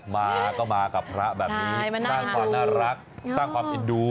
มาก็มากับพระแบบนี้สร้างความน่ารักสร้างความเอ็นดู